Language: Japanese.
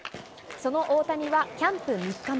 その大谷は、キャンプ３日目。